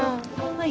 はい。